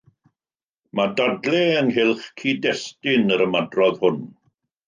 Mae dadlau ynghylch cyd-destun yr ymadrodd hwn.